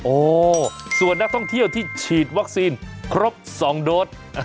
โอ้ส่วนนักท่องเที่ยวที่ฉีดวัคซีนครบ๒โดส